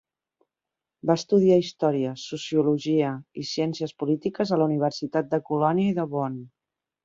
Va estudiar història, sociologia i ciències polítiques a la Universitat de Colònia i de Bonn.